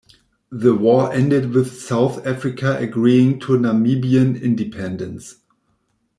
The war ended with South Africa agreeing to Namibian independence.